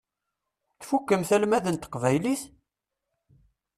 Tfukkemt almad n teqbaylit?